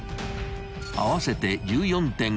［合わせて１４．５ｇ］